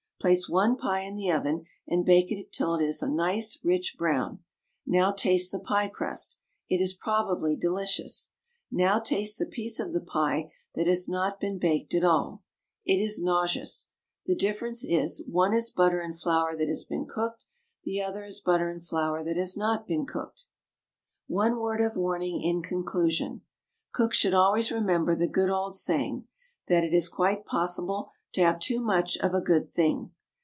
Place one pie in the oven and bake it till it is a nice rich brown. Now taste the pie crust. It is probably delicious. Now taste the piece of the pie that has not been baked at all. It is nauseous. The difference is one is butter and flour that has been cooked, the other is butter and flour that has not been cooked. One word of warning in conclusion. Cooks should always remember the good old saying that it is quite possible to have too much of a good thing.